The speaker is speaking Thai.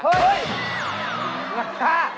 หักค่ะ